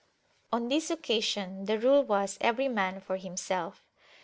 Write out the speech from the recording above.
On this occasion the rule was every man for himself.